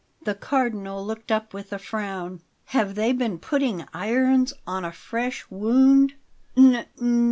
The Cardinal looked up with a frown. "Have they been putting irons on a fresh wound?"